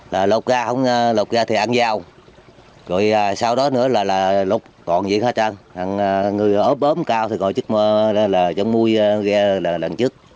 lục ra không lục ra thì ăn dao rồi sau đó nữa là lục còn gì hết trơn người ở bớm cao thì ngồi trước chân mũi ghe là lần trước